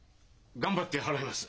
頑張って払います！